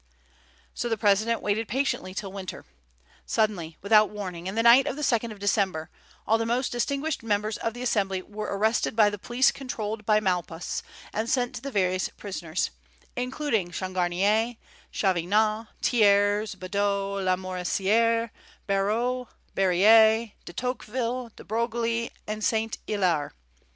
So the President waited patiently till winter. Suddenly, without warning, in the night of the 2d of December, all the most distinguished members of the Assembly were arrested by the police controlled by Maupas, and sent to the various prisons, including Changarnier, Cavaignac, Thiers, Bedeau, Lamoricière, Barrot, Berryer, De Tocqueville, De Broglie, and Saint Hilaire.